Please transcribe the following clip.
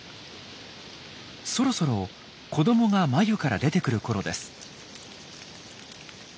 そろそろ子どもが繭から出てくるころです。